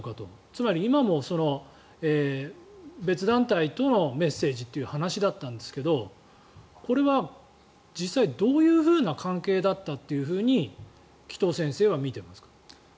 つまり今も別団体とのメッセージという話だったんですがこれは実際どういうふうな関係だったと紀藤先生は見ていますか？